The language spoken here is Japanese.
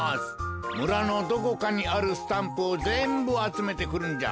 むらのどこかにあるスタンプをぜんぶあつめてくるんじゃ。